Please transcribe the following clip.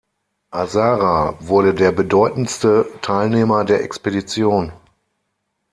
Azara wurde der bedeutendste Teilnehmer der Expedition.